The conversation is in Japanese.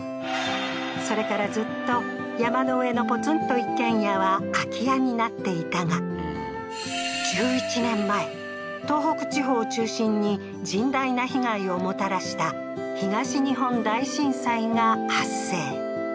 それからずっと、山の上のポツンと一軒家は空き家になっていたが、１１年前、東北地方を中心に甚大な被害をもたらした東日本大震災が発生。